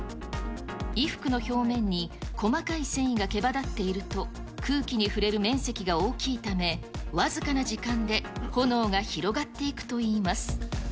衣服の表面に細かい繊維がけばだっていると、空気に触れる面積が大きいため、僅かな時間で炎が広がっていくといいます。